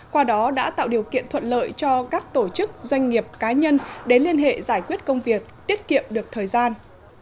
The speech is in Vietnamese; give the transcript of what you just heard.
qua đó đã tạo điều kiện thuận lợi cho các tổ chức doanh nghiệp cá nhân đến liên hệ giải quyết công việc tiết kiệm được thời gian